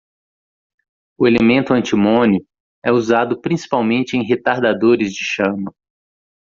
O elemento antimônio é usado principalmente em retardadores de chama.